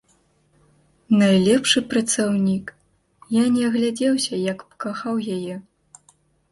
Найлепшы працаўнік, я не агледзеўся, як пакахаў яе.